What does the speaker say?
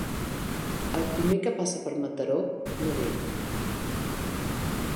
El primer que passa per Mataró no ve.